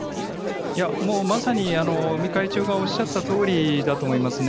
いや、もうまさに、尾身会長がおっしゃったとおりだと思いますね。